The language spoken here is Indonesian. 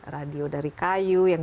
radio dari kayu yang